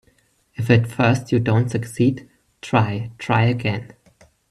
If at first you don't succeed, try, try again.